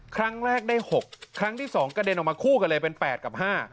ครั้งแรกได้๖ครั้งที่๒กระเด็นออกมาคู่กันเลยเป็น๘กับ๕